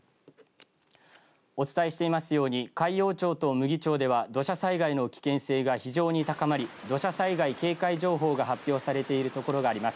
お伝えしていますように海陽町と牟岐町では土砂災害の危険性が非常に高まり土砂災害警戒情報が発表されている所があります。